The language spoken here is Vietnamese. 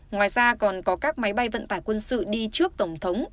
ngoài ra còn có các máy bay vận tải quân sự đi trước tổng thống